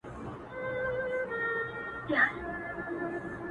لاس دي راکه چي مشکل دي کړم آسانه!